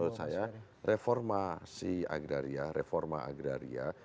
makanya menurut saya reformasi agraria